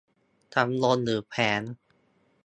ตำบลหรือแขวง